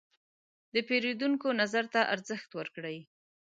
د پیرودونکو نظر ته ارزښت ورکړئ.